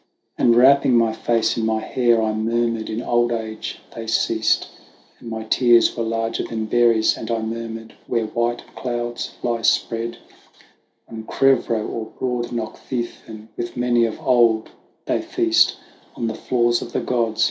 And wrapping my face in my hair, I mur mured, "In old age they ceased;" And my tears were larger than berries, and I murmured, '' Where white clouds lie spread On Crevroe or broad Knockfefin, with many of old they feast On the floors of the gods."